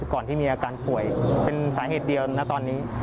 ก่อนที่มีอาการป่วยเป็นสาเหตุเดียวนะตอนนี้